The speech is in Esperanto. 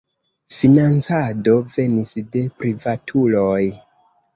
Financado venis de privatuloj.